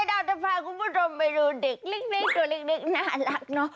ดาร์จะพาข่ากุณผู้ชมไปดูเด็กนิดซีกตัวนิดหน่าหลากเนาะ